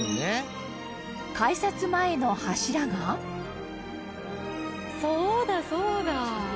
改札前の柱が本仮屋：そうだ、そうだ！